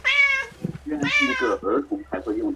我们展现互助